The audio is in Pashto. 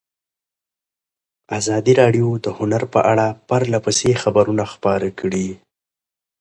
ازادي راډیو د هنر په اړه پرله پسې خبرونه خپاره کړي.